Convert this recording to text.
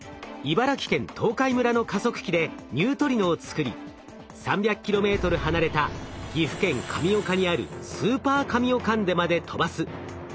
茨城県東海村の加速器でニュートリノを作り３００ｋｍ離れた岐阜県神岡にあるスーパーカミオカンデまで飛ばす。